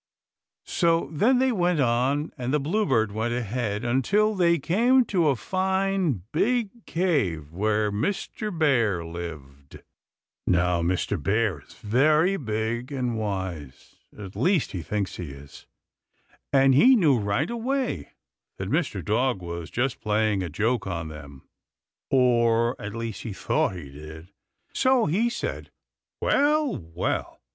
So then they went on and the bluebird went ahead, until they came to a fine, big cave, where Mr. Bear lived. Now Mr. Bear is very big and wise at least he thinks he is and he knew right away that Mr. Dog was just playing a joke on them, or at least he thought he did, so he said: "Well, well!